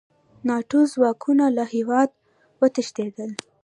ناټو ځواکونه له هېواده وتښتېدل.